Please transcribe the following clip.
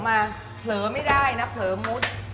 มีผลไม่ได้นะผลมุทร